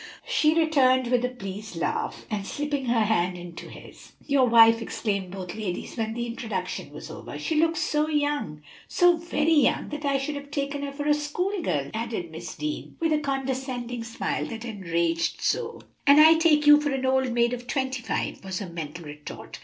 she returned with a pleased laugh, and slipping her hand into his. "Your wife!" exclaimed both ladies when the introduction was over. "She looks so young!" "So very young that I should have taken her for a school girl," added Miss Deane, with a condescending smile that enraged Zoe. "And I take you for an old maid of twenty five," was her mental retort.